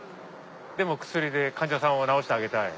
でも薬で患者さんを治してあげたい。